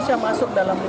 sudah masuk dalam leder